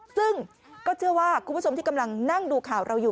ซึ่งก็เชื่อว่าคุณผู้ชมที่กำลังนั่งดูข่าวเราอยู่